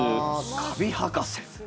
カビ博士。